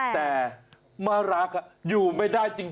แต่มารักอยู่ไม่ได้จริง